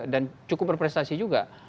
dan cukup berprestasi juga